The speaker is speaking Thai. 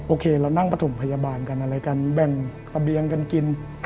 โอเคเรานั่งประถมพยาบาลกันอะไรกันแบ่งระเบียงกันกิน